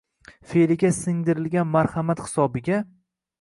fe'liga singdirnlgan marhamat hisobiga